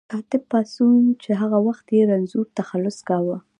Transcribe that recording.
کاتب پاڅون چې هغه وخت یې رنځور تخلص کاوه.